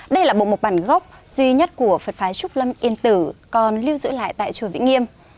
đây là bộ một bản gốc duy nhất của phật phái trúc lâm yên tử còn lưu giữ lại tại chùa vĩnh nghiêm